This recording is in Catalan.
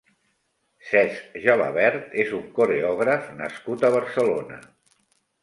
Cesc Gelabert és un coreògraf nascut a Barcelona.